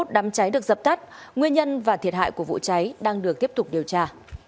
đám cháy được dập tắt nguyên nhân và thiệt hại của vụ cháy đang được tiếp tục điều tra